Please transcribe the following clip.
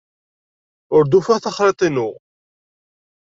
Ur d-ufiɣ taxriḍt-inu.